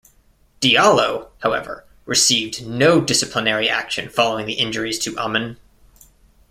Diallo, however, received no disciplinary action following the injuries to Ammann.